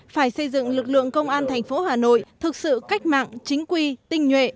phải xây dựng lực lượng công an thành phố hà nội thực sự cách mạng chính quy tinh nhuệ